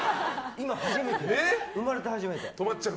今、生まれて初めて。